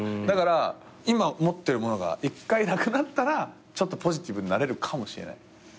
だから今持ってるものが１回なくなったらちょっとポジティブになれるかもしれない。